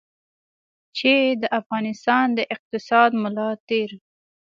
چې د افغانستان د اقتصاد ملا تېر.